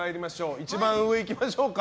一番上、いきましょうか。